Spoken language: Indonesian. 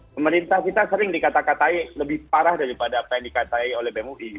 pemerintah kita sering dikatakan lebih parah daripada apa yang dikatakan oleh bem ui